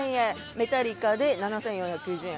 メタリカで７４９０円